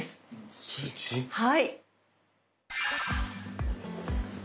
はい。